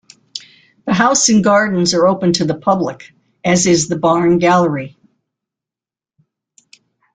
The house and gardens are open to the public, as is the Barn Gallery.